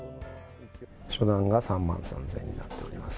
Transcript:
初段が３万３０００円になっております。